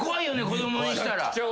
子供にしたら。